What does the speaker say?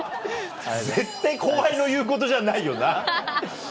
絶対後輩の言うことじゃないよな。